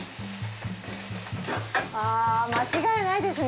あ間違いないですね。